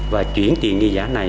và chuyển tiền nghi giả này